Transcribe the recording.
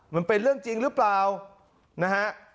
มันเป็นเรื่องจริงหรือเปล่านะฮะ